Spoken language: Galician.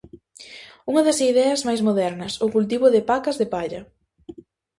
Unha das ideas máis modernas, o cultivo de pacas de palla.